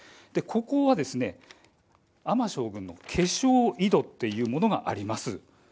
ここは尼将軍の化粧井戸というものがあります。